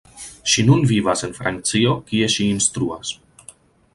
Ŝi nun vivas en Francio kie ŝi instruas.